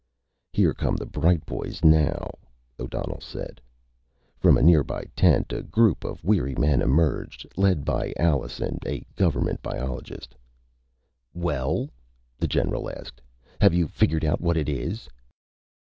"Here come the bright boys now," O'Donnell said. From a nearby tent a group of weary men emerged, led by Allenson, a government biologist. "Well," the general asked, "have you figured out what it is?"